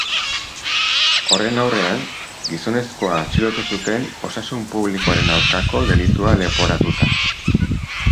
Horren aurrean, gizonezkoa atxilotu zuten osasun publikoaren aurkako delitua leporatuta.